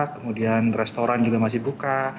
kemudian restoran juga masih buka